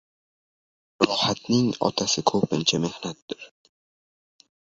Rohatning otasi ko‘pincha mehnatdir.